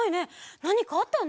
なにかあったの？